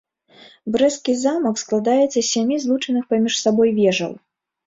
Брэсцкі замак складаецца з сямі злучаных паміж сабой вежаў.